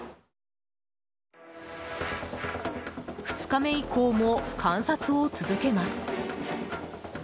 ２日目以降も観察を続けます。